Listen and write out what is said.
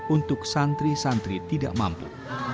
untuk santri santri tidak mampu